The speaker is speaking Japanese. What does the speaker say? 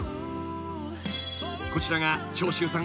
［こちらが長州さん